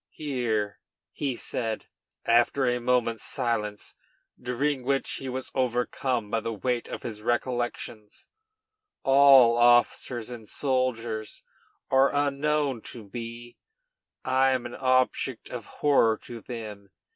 Here," he said, after a moment's silence, during which he was overcome by the weight of his recollections, "all, officers and soldiers, are unknown to me; I am an object of horror to them.